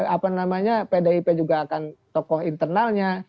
apa namanya pdip juga akan tokoh internalnya